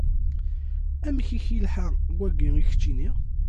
Amek i ak-yelḥa wagi i keččini?